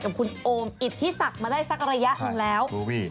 กับคุณโอมอิฤทธิสักไม่ได้สักระยะนึงแล้ว